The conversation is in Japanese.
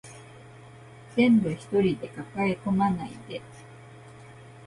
全部一人で抱え込まないで